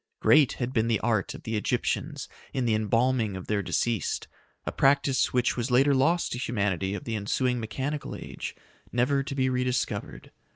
Great had been the art of the Egyptians in the embalming of their deceased, a practice which was later lost to humanity of the ensuing mechanical age, never to be rediscovered.